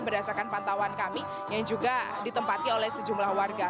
berdasarkan pantauan kami yang juga ditempati oleh sejumlah warga